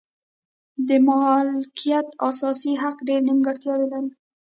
د مالکیت اساسي حق ډېرې نیمګړتیاوې لري.